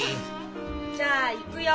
じゃあいくよ。